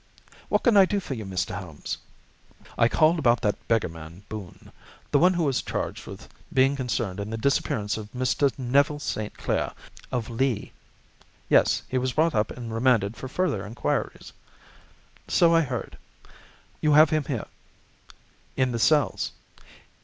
"What can I do for you, Mr. Holmes?" "I called about that beggarman, Boone—the one who was charged with being concerned in the disappearance of Mr. Neville St. Clair, of Lee." "Yes. He was brought up and remanded for further inquiries." "So I heard. You have him here?" "In the cells."